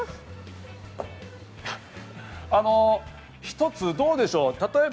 ひとつどうでしょう？